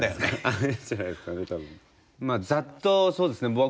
まあざっとそうですね